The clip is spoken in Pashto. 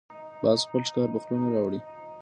باز خپل ښکار په خوله نه راوړي